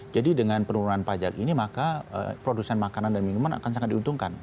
jadi dengan penurunan pajak ini maka produsen makanan dan minuman akan sangat diuntungkan